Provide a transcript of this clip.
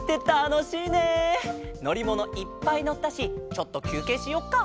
のりものいっぱいのったしちょっときゅうけいしよっか。